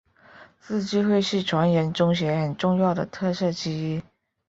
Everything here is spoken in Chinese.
自治会是全人中学很重要的特色之一。